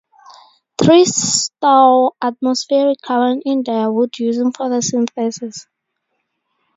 Trees store atmospheric carbon in their wood using photosynthesis.